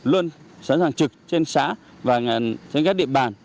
luôn sẵn sàng trực trên xã và trên các địa bàn